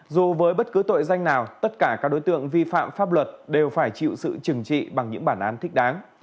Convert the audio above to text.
dù với bất cứ tội danh nào tất cả các đối tượng vi phạm pháp luật đều phải chịu sự trừng trị bằng những bản án thích đáng